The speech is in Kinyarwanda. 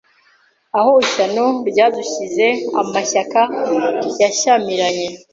Aho ishyano ryadushyizeAmashyaka yashyamiranye